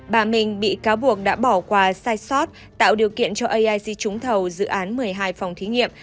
bà minh bị cáo buộc đã bỏ qua sai sót tạo điều kiện cho aic trúng thầu dự án một mươi hai phòng thí nghiệm